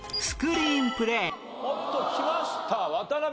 スクリーンプレー。